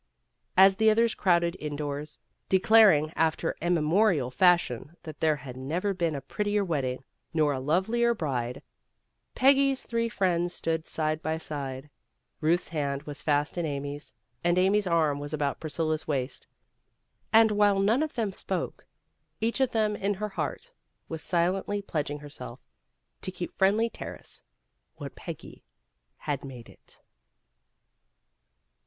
As the others crowded indoors, declaring after immemorial fashion that there had never been a prettier wedding nor a lovelier bride, Peggy's three friends stood side by side; Ruth's hand was fast in Amy's, and Amy's arm was about Priscilla's waist. And while none of them spoke, each of them in her heart was silently pledging herself to keep Friendly Terrace what Peggy had made it.